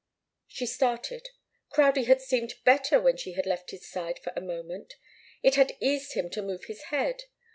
She started. Crowdie had seemed better when she had left his side for a moment. It had eased him to move his head.